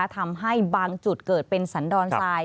ทำให้บางจุดเกิดเป็นสันดอนทราย